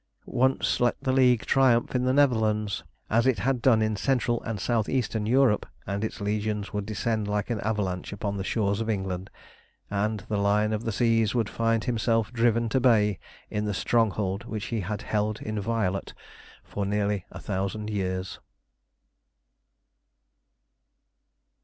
Once let the League triumph in the Netherlands, as it had done in Central and South Eastern Europe, and its legions would descend like an avalanche upon the shores of England, and the Lion of the Seas would find himself driven to bay in the stronghold which he had held inviolate for nearly a thousand years.